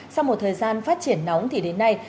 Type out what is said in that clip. sau một thời gian phát triển nóng thì đến nay